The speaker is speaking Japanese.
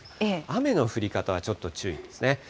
雨の降り方はちょっと注意ですね。